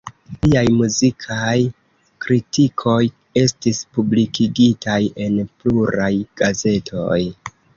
Liaj muzikaj kritikoj estis publikigitaj en pluraj gazetoj.